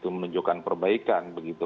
belum menunjukkan perbaikan begitu